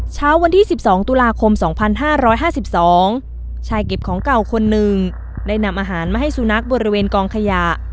เช้าวันที่๑๒ตุลาคม๒๕๕๒ชายเก็บของเก่าคนหนึ่งได้นำอาหารมาให้สุนัขบริเวณกองขยะ